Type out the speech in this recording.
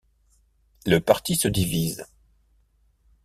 Le parti se divise.